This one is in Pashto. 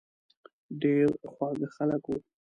ډېر خواږه خلک وو.